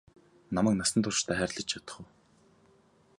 Чи намайг насан туршдаа хайрлаж чадах уу?